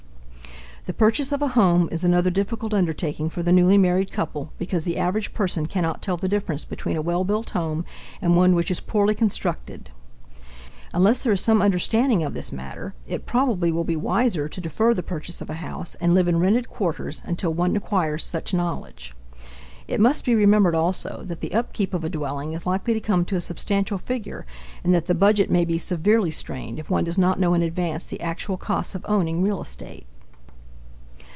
The purchase of a home is another difficult undertaking for the newly married couple because the average person cannot tell the difference between a well built house and one which is poorly constructed. Unless there is some understanding of this matter, it probably will be wiser to defer the purchase of a house and live in rented quarters until one acquires such knowledge. It must be remembered, also, that the upkeep of a dwelling is likely to come to a substantial figure and that the budget may be severely strained if one does not know in advance the actual costs of owning real estate.